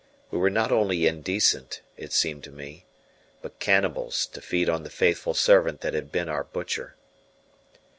We were not only indecent, it seemed to me, but cannibals to feed on the faithful servant that had been our butcher.